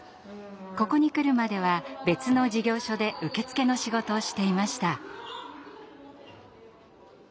ここに来るまでは別の事業所で受付の仕事をしていました。